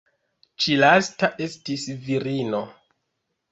Ĉi lasta estis virino.